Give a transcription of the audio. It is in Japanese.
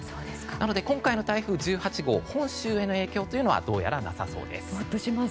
なので今回の台風１８号本州への影響はどうやらなさそうです。